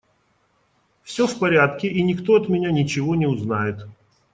Все в порядке, и никто от меня ничего не узнает.